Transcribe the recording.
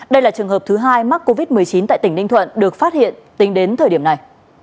đây là trường hợp thứ hai mắc covid một mươi chín tại tỉnh ninh thuận được phát hiện tính đến thời điểm này